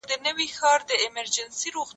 ما د مطالعې دا امتزاج غبرګ ساتلی دی.